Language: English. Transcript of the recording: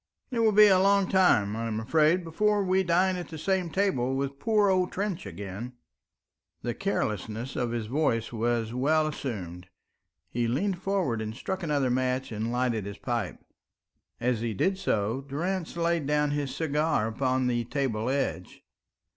It will be a long time, I am afraid, before we dine at the same table with poor old Trench again." The carelessness of his voice was well assumed; he leaned forwards and struck another match and lighted his pipe. As he did so, Durrance laid down his cigar upon the table edge.